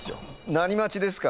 何待ちですか？